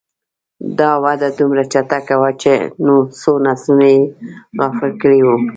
دا وده دومره چټکه وه چې څو نسلونه یې غافل کړي وو.